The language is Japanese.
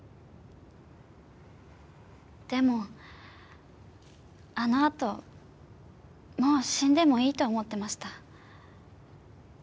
でもあのあともう死んでもいいと思ってました。